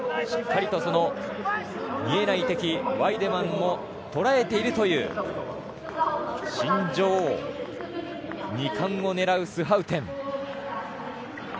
しっかりと見えない敵ワイデマンを捉えているという新女王、２冠を狙うスハウテン。